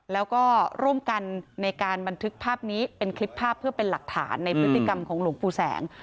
แล้วก็ร่วมกันในการบันทึกภาพนี้เป็นคลิปภาพเพื่อเป็นหลักฐานในพฤติกรรมของหลวงปู่แสง